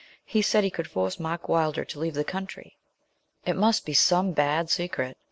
He said he could force Mark Wylder to leave the country. It must be some bad secret.